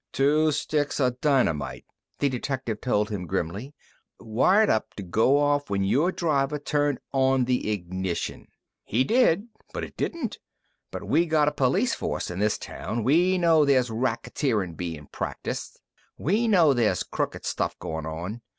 "Two sticks of dynamite," the detective told him grimly, "wired up to go off when your driver turned on the ignition. He did but it didn't. But we got a police force in this town! We know there's racketeerin' bein' practiced. We know there's crooked stuff goin' on.